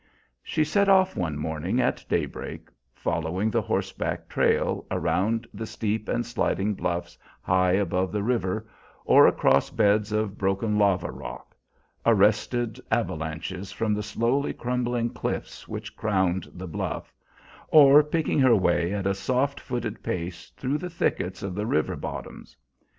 She set off one morning at daybreak, following the horseback trail, around the steep and sliding bluffs high above the river, or across beds of broken lava rock, arrested avalanches from the slowly crumbling cliffs which crowned the bluff, or picking her way at a soft footed pace through the thickets of the river bottoms.